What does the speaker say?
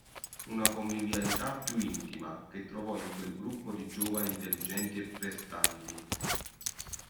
Una convivialità più intima, che trovò in quel gruppo di giovani intelligenti e prestanti.